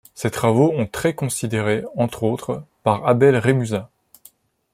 Ses travaux ont très considérés, entre autres, par Abel Rémusat.